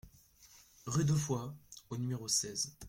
Rue d'Offoy au numéro seize